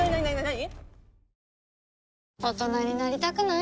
何？